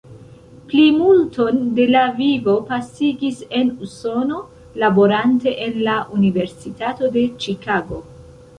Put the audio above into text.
Plimulton de la vivo pasigis en Usono, laborante en la Universitato de Ĉikago.